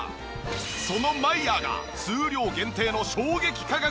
そのマイヤーが数量限定の衝撃価格で登場。